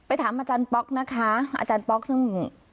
อาจารย์ป๊อกซึ่ง